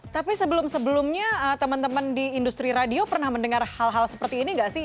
tapi sebelum sebelumnya teman teman di industri radio pernah mendengar hal hal seperti ini nggak sih